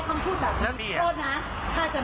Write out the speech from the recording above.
โทษนะถ้าจะมีเรื่องคือเลือกกำหนดให้กับเรา